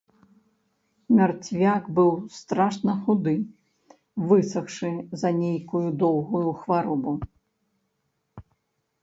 Мярцвяк быў страшна худы, высахшы за нейкую доўгую хваробу.